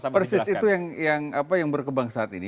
persis itu yang berkembang saat ini